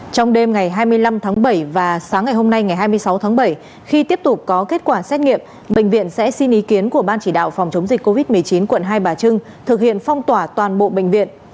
trong đêm ngày hai mươi năm tháng bảy và sáng ngày hôm nay ngày hai mươi sáu tháng bảy khi tiếp tục có kết quả xét nghiệm bệnh viện sẽ xin ý kiến của ban chỉ đạo phòng chống dịch covid một mươi chín quận hai bà trưng thực hiện phong tỏa toàn bộ bệnh viện